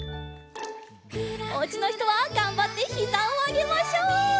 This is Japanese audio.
おうちのひとはがんばってひざをあげましょう！